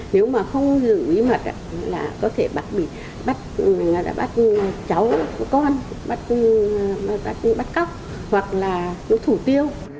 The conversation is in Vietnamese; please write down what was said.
nếu mà không giữ bí mật là có thể bắt cháu của con bắt cóc hoặc là chú thủ tiêu